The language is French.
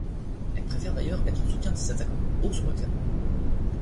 Elle préfère d'ailleurs être en soutien de ses attaquants, haut sur le terrain'.